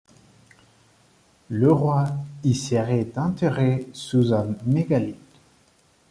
Le roi y serait enterré sous un mégalithe.